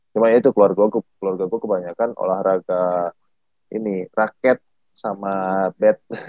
cuma itu keluarga gua kebanyakan olahraga ini racket sama bet